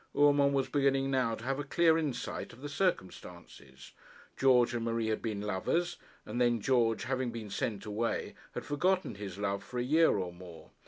Urmand was beginning now to have a clear insight of the circumstances. George and Marie had been lovers, and then George, having been sent away, had forgotten his love for a year or more.